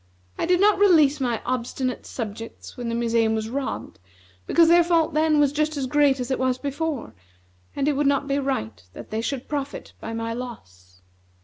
I did not release my obstinate subjects when the museum was robbed, because their fault then was just as great as it was before; and it would not be right that they should profit by my loss."